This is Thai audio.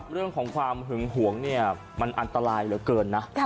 เรื่องของความหึงหวงเนี่ยมันอันตรายเหลือเกินนะ